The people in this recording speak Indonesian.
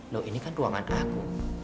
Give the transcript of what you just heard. loh ini kan ruangan aku